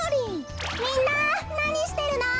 みんななにしてるの？